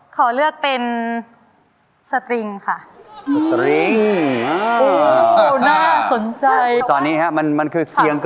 ขอเลือกเป็น